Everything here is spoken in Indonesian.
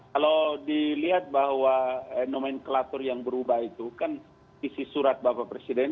kalau dilihat bahwa nomenklatur yang berubah itu kan isi surat bapak presiden